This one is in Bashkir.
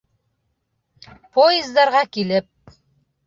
Поездарға килеп